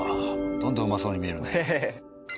どんどんうまそうに見えるね。